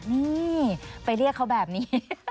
นี่ไปเรียกเขาแบบนี้